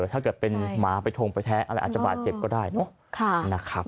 ถ้าเกิดเป็นหมาไปทงประแท้อาจจะบาดเจ็บก็ได้นะครับ